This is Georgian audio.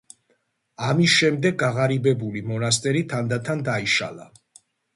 ამის შემდეგ, გაღარიბებული მონასტერი თანდათან დაიშალა.